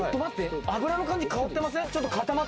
油の感じ、変わってません？